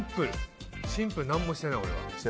シンプル、何もしてない。